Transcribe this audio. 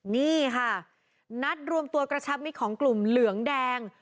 นี่ค่ะนัดรวมตัวกระชับมิตรของกลุ่มเหลืองแดง